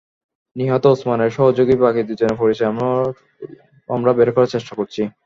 নিহত ওসমানের সহযোগী বাকি দুজনের পরিচয় আমরা বের করার চেষ্টা করছি।